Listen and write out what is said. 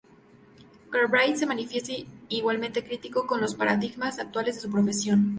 Galbraith se manifiesta igualmente crítico con los paradigmas actuales de su profesión.